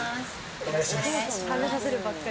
お願いします。